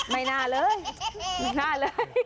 ไม่น่าเลยไม่น่าเลย